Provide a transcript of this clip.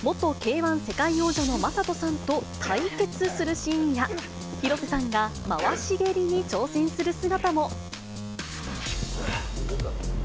１世界王者の魔裟斗さんと対決するシーンや、広瀬さんが回し蹴りに挑戦する姿も。